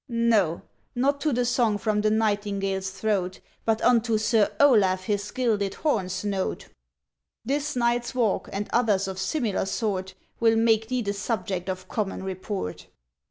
ŌĆØ ŌĆ£No! not to the song from the nightingaleŌĆÖs throat, But unto Sir Olaf his gilded hornŌĆÖs note. ŌĆ£This nightŌĆÖs walk, and others of similar sort, Will make thee the subject of common report.